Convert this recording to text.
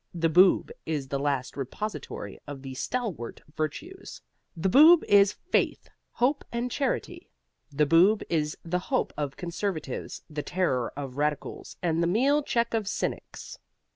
The Boob is the last repository of the stalwart virtues. The Boob is faith, hope and charity. The Boob is the hope of conservatives, the terror of radicals and the meal check of cynics.